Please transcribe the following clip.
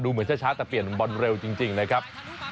เหมือนช้าแต่เปลี่ยนบอลเร็วจริงนะครับ